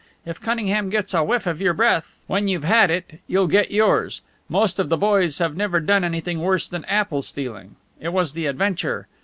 If Cunningham gets a whiff of your breath, when you've had it, you'll get yours. Most of the boys have never done anything worse than apple stealing. It was the adventure.